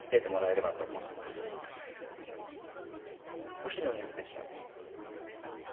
お昼のニュースでした。